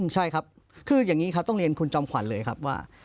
ใช่ครับคืออย่างนี้ครับต้องเรียนคุณจอมขวัญเลยครับว่า